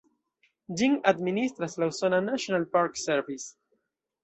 Ĝin administras la usona "National Park Service".